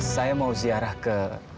saya mau ziarah ke